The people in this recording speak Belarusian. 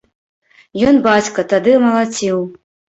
Ён, бацька, тады малаціў.